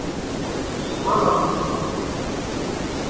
Kečč twalaḍ tikli-w.